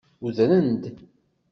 Udren-d.